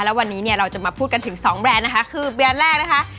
แล้ววันนี้เนี่ยเราจะมาพูดกันถึงสองแบรนด์นะคะคือแบรนด์แรกนะคะ